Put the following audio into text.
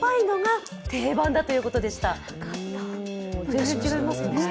全然違いますね。